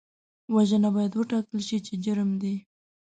وژنه باید وټاکل شي چې جرم دی